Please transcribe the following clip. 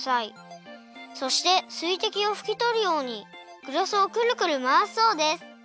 そしてすいてきをふきとるようにグラスをくるくるまわすそうです。